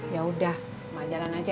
yaudah emang jalan aja